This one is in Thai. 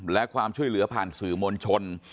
และความช่วยเหลือผ่านสื่อมวลชน